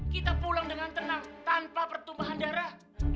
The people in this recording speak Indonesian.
kita pulang dengan tenang tanpa pertumbuhan darah